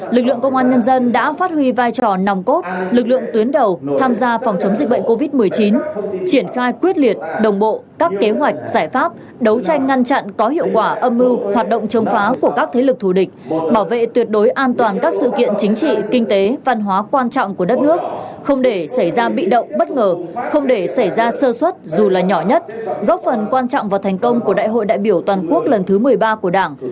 lực lượng công an nhân dân đã phát huy vai trò nòng cốt lực lượng tuyến đầu tham gia phòng chống dịch bệnh covid một mươi chín triển khai quyết liệt đồng bộ các kế hoạch giải pháp đấu tranh ngăn chặn có hiệu quả âm mưu hoạt động chống phá của các thế lực thù địch bảo vệ tuyệt đối an toàn các sự kiện chính trị kinh tế văn hóa quan trọng của đất nước không để xảy ra bị động bất ngờ không để xảy ra sơ suất dù là nhỏ nhất góp phần quan trọng và thành công của đại hội đại biểu toàn quốc lần thứ một mươi ba của đảng